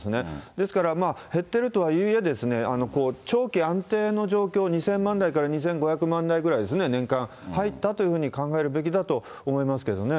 ですから、減ってるとはいえ、長期安定の状況、２０００万台から２５００万台ぐらいですね、年間、入ったというふうに考えるべきだと思いますけどね。